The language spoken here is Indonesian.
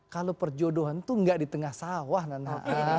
kalau perjodohan itu nggak di tengah sawah nana